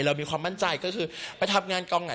เรามีความมั่นใจก็คือไปทำงานกองไหน